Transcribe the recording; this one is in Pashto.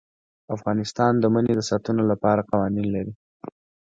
افغانستان د منی د ساتنې لپاره قوانین لري.